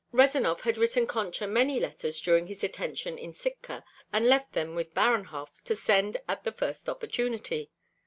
Rezanov had written Concha many letters during his detention in Sitka, and left them with Baranhov to send at the first opportunity.